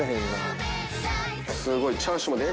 すごい。